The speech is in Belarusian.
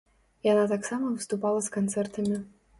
Яна таксама выступала з канцэртамі.